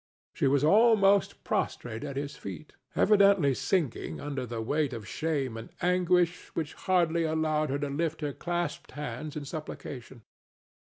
She was almost prostrate at his feet, evidently sinking under a weight of shame and anguish which hardly allowed her to lift her clasped hands in supplication.